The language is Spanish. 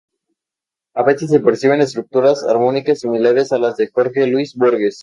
A veces se perciben estructuras armónicas similares a las de Jorge Luis Borges.